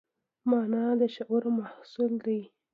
مانا د شعور محصول دی.